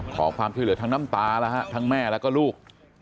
ขอความช่วยเหลือทั้งน้ำตาแล้วฮะทั้งแม่แล้วก็ลูก